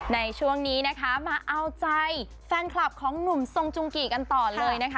ในช่วงนี้นะคะมาเอาใจแฟนคลับของหนุ่มทรงจุงกิกันต่อเลยนะคะ